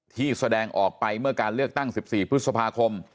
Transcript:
ที่แสดงออกไปเมื่อการเลือกตั้ง๑๔พฤษภาคม